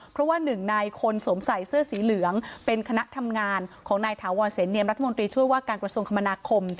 เพราะว่าหนึ่งในคนสวมใส่เสื้อสีเหลืองเป็นคณะทำงานของนายถาวรเสนเนียมรัฐมนตรีช่วยว่าการกระทรวงคมนาคม